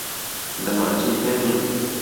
دەمانچەی پێ نییە.